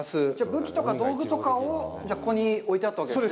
武器とか、道具とかをここに置いてあったわけですね？